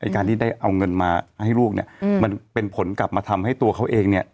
การที่ได้เอาเงินมาให้ลูกเนี่ยมันเป็นผลกลับมาทำให้ตัวเขาเองเนี่ย